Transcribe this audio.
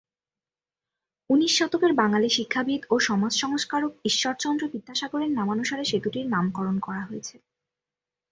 উনিশ শতকের বাঙালি শিক্ষাবিদ ও সমাজ সংস্কারক ঈশ্বরচন্দ্র বিদ্যাসাগরের নামানুসারে সেতুটির নামকরণ করা হয়েছে।